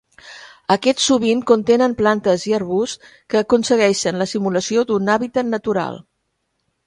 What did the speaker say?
Aquests sovint contenen plantes i arbusts que aconsegueixen la simulació d'un hàbitat natural.